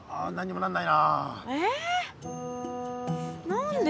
何で？